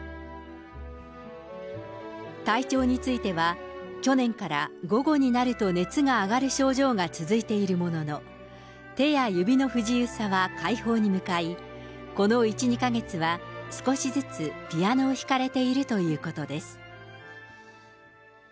体調については、去年から午後になると熱が上がる症状が続いているものの、手や指の不自由さは快方に向かい、この１、２か月は少しずつピアノを弾かれているということです。